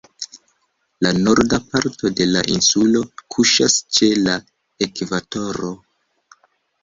La Norda parto de la insulo kuŝas ĉe la ekvatoro.